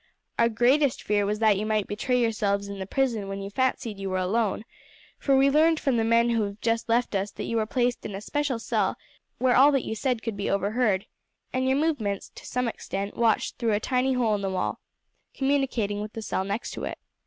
Our greatest fear was that you might betray yourselves in the prison when you fancied you were alone, for we learned from the men who have just left us that you were placed in a special cell where all that you said could be overheard, and your movements to some extent watched through a tiny hole in the wall communicating with the cell next to it.